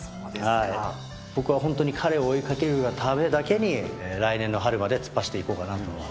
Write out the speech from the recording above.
僕は本当に彼を追いかけるがためだけに、来年の春まで突っ走っていこうかなと。